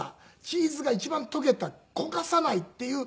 チーズが一番溶けた焦がさないっていう。